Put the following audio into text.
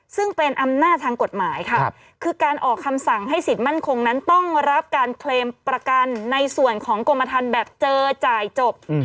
ซึ่งเป็นอำนาจทางกฎหมายค่ะคือการออกคำสั่งให้สิทธิ์มั่นคงนั้นต้องรับการเคลมประกันในส่วนของกรมฐานแบบเจอจ่ายจบ